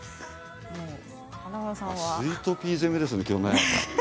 スイートピー攻めですね。